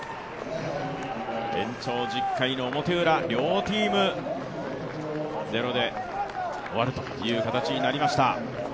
延長１０回の表・ウラ、両チーム、ゼロで終わるという形になりました。